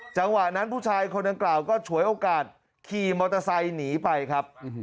จังหวะนั้นผู้ชายคนดังกล่าวก็ฉวยโอกาสขี่มอเตอร์ไซค์หนีไปครับ